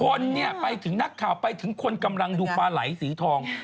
คนเนี่ยไปถึงนักข่าวไปถึงคนกำลังดูปลาไหลสีทอง